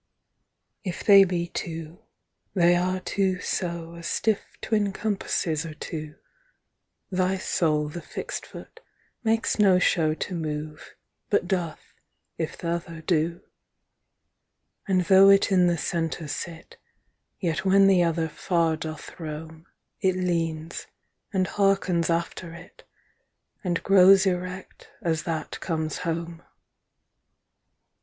If they be two, they are two so 25 As stiffe twin compasses are two, Thy soule the fixt foot, makes no show To move, but doth, if the'other doe. And though it in the center sit, Yet when the other far doth rome, 30 It leanes, and hearkens after it, And growes erect, as that comes home.